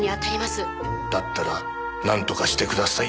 だったらなんとかしてください。